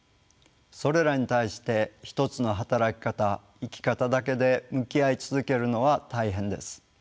それらに対して一つの働き方生き方だけで向き合い続けるのは大変です。